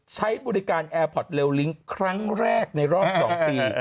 ใช้บริการแอร์พอร์ตเลิ้งครั้งแรกในรอบ๒ปี